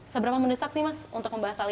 seberapa mendesak sih mas untuk membahas hal ini